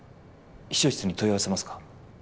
秘書室に問い合わせますか？